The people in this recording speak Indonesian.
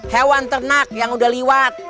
hewan ternak yang udah liwat